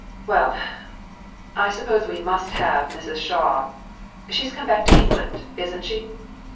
"Well! I suppose we must have Mrs. Shaw; she's come back to England, isn't she?"